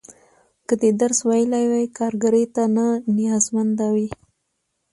که دې درس ویلی وای، کارګرۍ ته نه نیازمنده وې.